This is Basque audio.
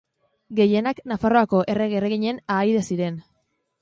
Gehienak Nafarroako errege-erreginen ahaide ziren.